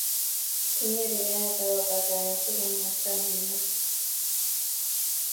Kitinye rirenet ak ko bo kanetik en ngansat nenyon